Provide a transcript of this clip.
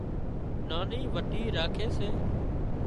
ناني وٽي راکي سي